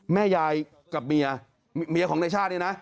แม่ยายกับเมียเมียของในชาติเนี่ยนะ